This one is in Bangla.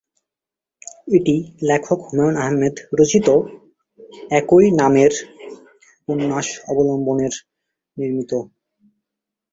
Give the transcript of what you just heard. এটি লেখক হুমায়ূন আহমেদ রচিত "একই নামের" উপন্যাস অবলম্বনের নির্মিত।